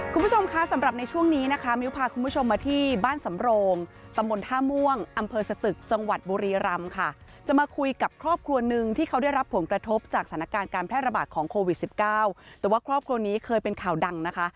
คุณผู้ชมคะสำหรับในช่วงนี้นะคะมิ้วพาคุณผู้ชมมาที่บ้านสำโรงตำบลท่าม่วงอำเภอสตึกจังหวัดบุรีรำค่ะจะมาคุยกับครอบครัวหนึ่งที่เขาได้รับผลกระทบจากสถานการณ์การแพร่ระบาดของโควิดสิบเก้าแต่ว่าครอบครัวนี้เคยเป็นข่าวดังนะคะ